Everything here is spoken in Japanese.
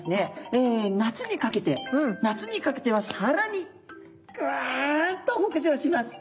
夏にかけて夏にかけてはさらにガっと北上します。